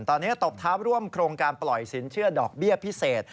ตอนนี้ตบเท้าร่วมโครงการปล่อยสินเชื่อดอกเบี้ยพิเศษ